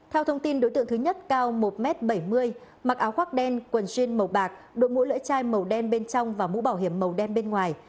theo thông tin đối tượng thứ nhất cao một m bảy mươi mặc áo khoác đen quần jean màu bạc đội mũ lưỡi chai màu đen bên trong và mũ bảo hiểm màu đen bên ngoài